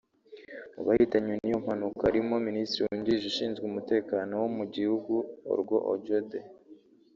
Mu bahitanywe n’iyo mpanuka harimo Minisitiri wungirije ushinzwe umutekano wo mu gihugu Orwa Ojode